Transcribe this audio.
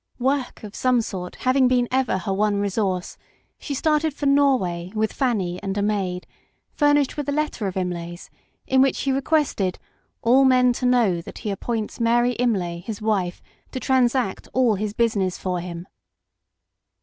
Work of some sort having been ever her one resource, she started for Norway with Fanny and a maid, furnished with a letter of Imlay 's, in which he requested " all men to know that he appoints Mary Imlay, his wife, to transact all his business for him."